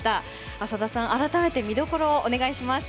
浅田さん、改めて見どころをお願いします。